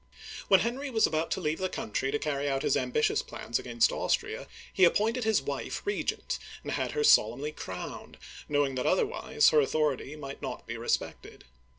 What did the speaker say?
When Henry was about to leave the country to carry out his ambitious plans against Austria, he appointed his wife regent, and had her solemnly crowned, knowing that otherwise her authority might not be respected.